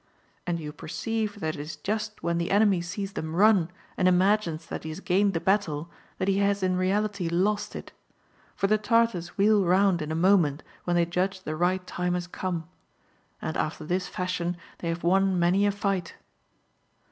And you perceive that it is just when the enemy sees them run, and imagines that he has gained the battle, that he has in reality lost it ; for the Tartars wheel round in a moment when they judge the right time has come. And after this fashion they have won many a fight.